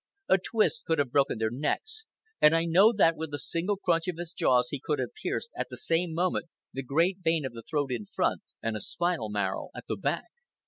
A twist could have broken their necks, and I know that with a single crunch of his jaws he could have pierced, at the same moment, the great vein of the throat in front and the spinal marrow at the back.